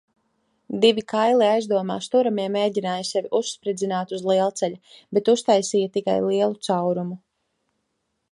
Divi kaili aizdomās turamie mēģināja sevi uzspridzināt uz lielceļa, bet uztaisīja tikai lielu caurumu.